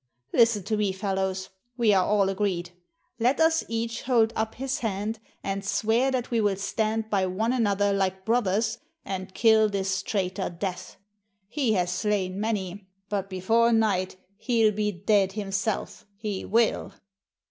Listen to me, fellows, we are all agreed. Let us each hold up his hand and io6 t^^ ^axbon^x'B Zcdt swear that we will stand by one another like brothers and kill this traitor Death. He has slain many, but before night he '11 be dead himself, he will."